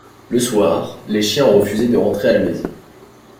Le soir, les chiens ont refusé de rentrer à la maison.